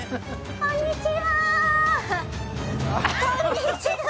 こんにちは。